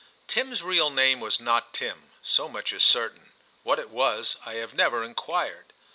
Tim's real name was not Tim : so much is certain. What it was, I have never inquired.